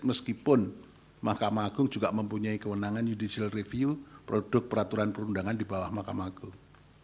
meskipun mahkamah agung juga mempunyai kewenangan judicial review produk peraturan perundangan di bawah mahkamah agung